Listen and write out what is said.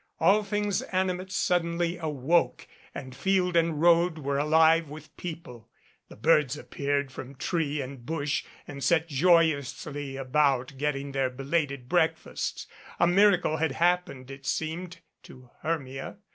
All things animate suddenly awoke and field and road were alive with people. The birds ap peared from tree and bush and set joyously about get ting their belated breakfasts. A miracle had happened, it seemed to Hermia.